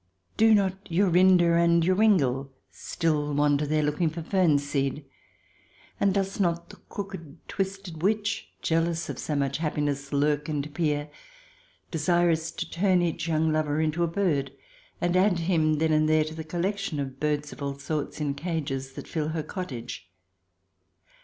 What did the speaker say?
Do not Jorinde and Joringel still wander there, looking for fern seed, and does not the crooked, twisted witch, jealous of so much happiness, lurk and peer, desirous to turn each young lover into a bird and add him, then and there, to the collection of birds of all sorts in cages that fill her cottage.